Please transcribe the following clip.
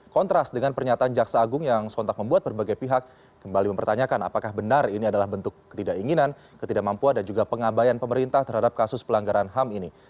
kontras dengan pernyataan jaksa agung yang sontak membuat berbagai pihak kembali mempertanyakan apakah benar ini adalah bentuk ketidakinginan ketidakmampuan dan juga pengabayan pemerintah terhadap kasus pelanggaran ham ini